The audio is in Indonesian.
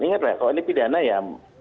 ingatlah kalau ini pidana ya